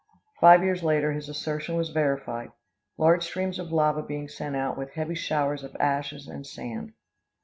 Five years later his assertion was verified, large streams of lava being sent out, with heavy showers of ashes and sand.